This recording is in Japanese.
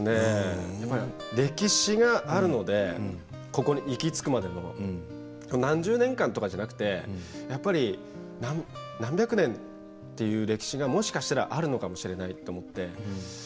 歴史があるのでここに行き着くまでの何十年かとかじゃなくて何百年という歴史がもしかしたらあるのかもしれないと思って。